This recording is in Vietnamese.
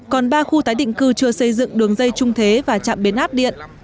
còn ba khu tái định cư chưa xây dựng đường dây trung thế và trạm biến áp điện